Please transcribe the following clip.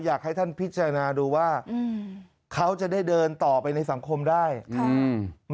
อยากให้ท่านพิจารณาดูว่าอืมเขาจะได้เดินต่อไปในสังคมได้อืม